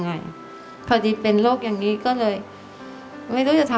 ทั้งในเรื่องของการทำงานเคยทำนานแล้วเกิดปัญหาน้อย